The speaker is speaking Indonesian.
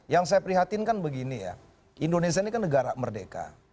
yang saya prihatinkan begini ya indonesia ini kan negara merdeka